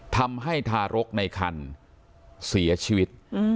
ทำให้ทารกในครรภ์เสียชีวิต